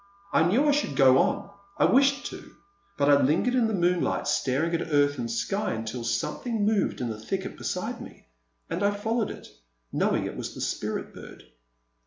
I knew I should go on, I wished to, but I lingered in the moonlight staring at earth and sky until something moved in the thicket beside me. and I followed it, knowing it was the Spirit bird.